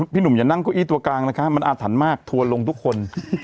พี่หนุ่มอย่านั่งเก้าอี้ตัวกลางนะคะมันอาถรรพ์มากทัวร์ลงทุกคน